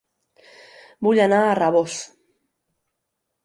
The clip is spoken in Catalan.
Vull anar a Rabós